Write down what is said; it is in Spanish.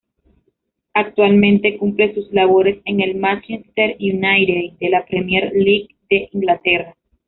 Actualmente cumple sus labores en el Manchester United de la Premier League de Inglaterra.